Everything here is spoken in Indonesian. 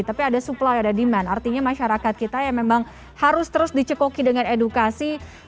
tapi ada supply ada demand artinya masyarakat kita yang memang harus terus dicekoki dengan edukasi